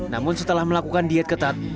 namun setelah melakukan diet ketat